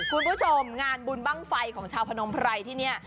คุณผู้ชมงานบุญบ้างไฟของชาวพนมไพรที่นี่